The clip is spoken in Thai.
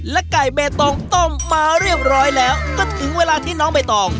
ไก่เบตงต้มมาเรียบร้อยแล้วก็ถึงเวลาที่น้องใบตอง